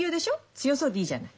強そうでいいじゃない。